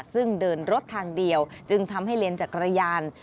ซึ่งเดินรถทางเดียวจึงทำให้เลนส์จักรยาน